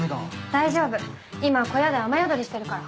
大丈夫今小屋で雨宿りしてるから。